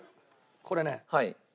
これね。